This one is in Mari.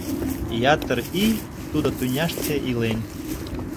Ятыр ий тудо тӱняште илен.